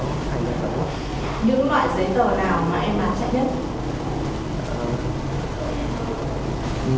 những loại giấy tờ nào mà em bán chạy nhất